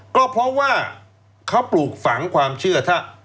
ก็เพราะว่าเขาปลูกฝังความเชื่อถ้า